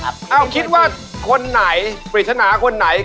อ้าวคิดว่าก่อนใหม่ไปชนะคนไหน